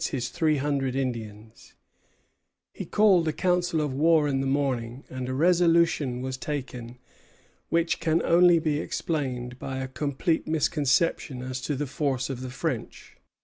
He called a council of war in the morning, and a resolution was taken which can only be explained by a complete misconception as to the force of the French.